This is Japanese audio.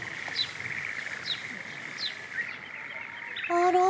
あら？